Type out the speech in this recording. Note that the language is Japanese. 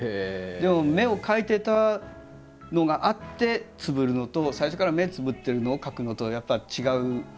でも目を描いてたのがあってつぶるのと最初から目つぶってるのを描くのとはやっぱり違うはずなんですよ何か。